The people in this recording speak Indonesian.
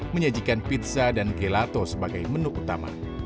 menyajikan pizza dan gelato sebagai menu utama